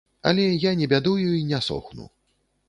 Але я не бядую й не сохну.